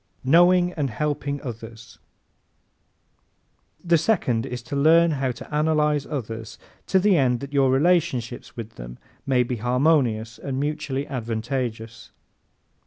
Knowing and Helping Others ¶ The second is to learn how to analyze others to the end that your relationships with them may be harmonious and mutually advantageous.